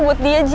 buat dia ji